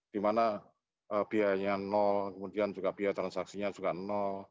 dimana biayanya nol kemudian juga biaya transaksinya juga nol